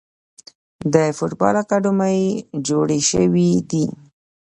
د فوټبال اکاډمۍ جوړې شوي دي.